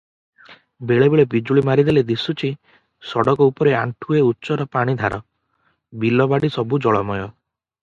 ବେଳେବେଳେ ବିଜୁଳି ମାରିଦେଲେ ଦିଶୁଚି- ସଡ଼କ ଉପରେ ଆଣ୍ଠୁଏ ଉଚ୍ଚରେ ପାଣିଧାର, ବିଲ ବାଡ଼ି ସବୁ ଜଳମୟ ।